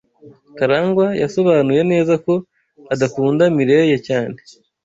Karangwa yasobanuye neza ko adakunda Mirelle cyane.